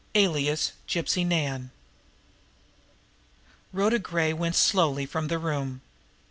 ALIAS GYPSY NAN Rhoda Gray went slowly from the room.